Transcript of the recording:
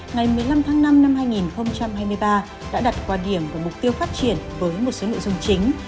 ngày một mươi năm tháng năm năm hai nghìn hai mươi ba đã đặt qua điểm của mục tiêu phát triển với một số nội dung chính